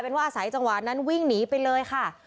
เป็นว่าอาศัยจังหวะนั้นวิ่งหนีไปเลยค่ะ